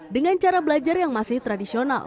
dengan cara belajar yang masih tradisional